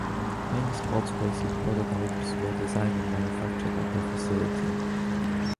Many sports racing prototypes were designed and manufactured at their facility.